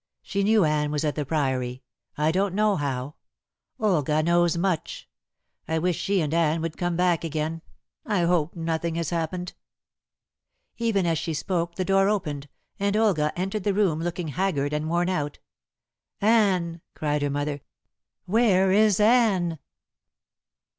She knew Anne was at the Priory. I don't know how. Olga knows much. I wish she and Anne would come back again. I hope nothing has happened." Even as she spoke the door opened, and Olga entered the room looking haggard and worn out. "Anne!" cried her mother. "Where is Anne?"